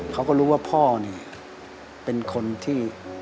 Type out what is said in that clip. เขาก็รู้ว่าพ่อเนี่ยเป็นคนที่